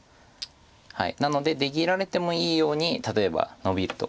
なので出切られてもいいように例えばノビとか。